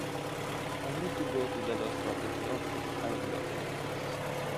I need to go to the lost property office. I’ve lost my keys